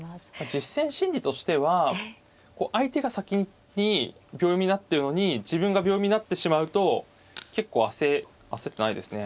実戦心理としては相手が先に秒読みになってるのに自分が秒読みになってしまうと結構焦焦ってないですね。